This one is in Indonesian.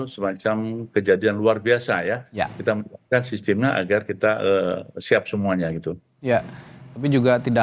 semacam kejadian luar biasa ya kita menyiapkan sistemnya agar kita siap semuanya gitu ya tapi juga tidak